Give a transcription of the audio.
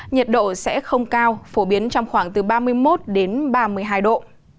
nhiệt độ sẽ không cao phổ biến trong khoảng từ ba mươi một đến ba mươi hai độ